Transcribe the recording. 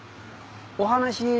お話。